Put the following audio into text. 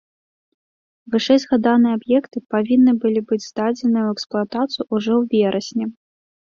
Вышэйзгаданыя аб'екты павінны былі быць здадзены ў эксплуатацыю ўжо ў верасні.